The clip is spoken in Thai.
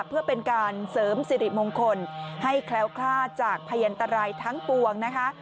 เพื่อเป็นการเสริมสิริมงคลให้แคล้วคลาดจากพยันตรายทั้งปวงนะคะ